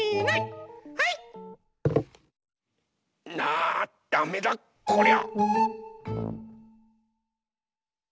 あダメだこりゃ。